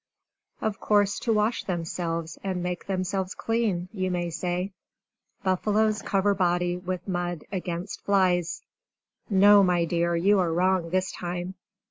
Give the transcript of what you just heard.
"Of course to wash themselves, and make themselves clean," you may say. Buffaloes Cover Body with Mud against Flies No, my dear, you are wrong this time!